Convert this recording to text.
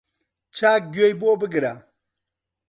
چاک گوێی بۆ بگرە